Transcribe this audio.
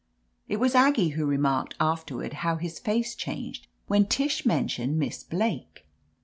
It was Aggie who remarked afterward how his face changed when Tish mentioned Miss Blake.